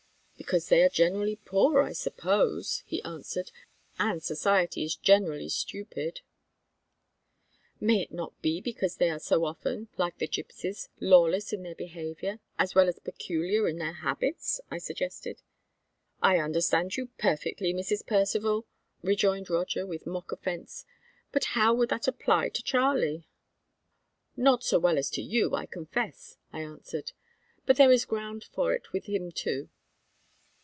"Because they are generally poor, I suppose," he answered; "and society is generally stupid." "May it not be because they are so often, like the gypsies, lawless in their behavior, as well as peculiar in their habits?" I suggested. "I understand you perfectly, Mrs. Percivale," rejoined Roger with mock offence. "But how would that apply to Charlie?" "Not so well as to you, I confess," I answered. "But there is ground for it with him too."